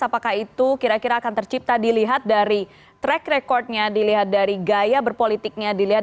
apakah itu kira kira akan tercipta dilihat dari track recordnya dilihat dari gaya berpolitiknya dilihat